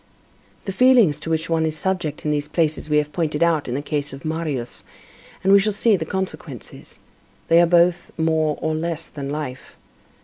The feelings to which one is subject in these places we have pointed out in the case of Marius, and we shall see the consequences; they are both more and less than life.